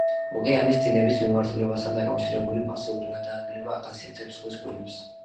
ოკეანის დინების მიმართულებასთან დაკავშირებული პასიური გადაადგილება ახასიათებს ზღვის გველებს.